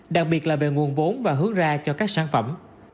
đặc biệt là về nguồn vốn và hướng ra cho các sản phẩm